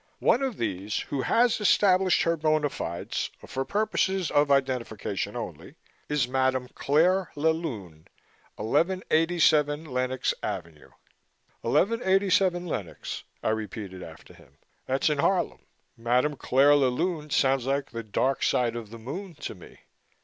One of these who has established her bona fides for purposes of identification only is Madam Claire la Lune, 1187 Lenox Avenue." "Eleven eighty seven Lenox," I repeated after him. "That's in Harlem. Madam Claire la Lune sounds like the dark of the moon to me.